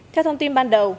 theo thông tin ban đầu